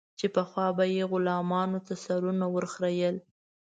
چې پخوا به یې غلامانو ته سرونه ور خرئېل.